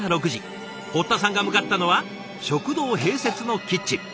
堀田さんが向かったのは食堂併設のキッチン。